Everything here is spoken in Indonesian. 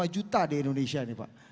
enam puluh lima juta di indonesia nih pak